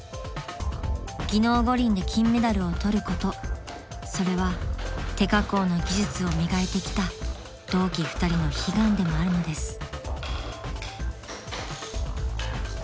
［技能五輪で金メダルを取ることそれは手加工の技術を磨いてきた同期２人の悲願でもあるのです］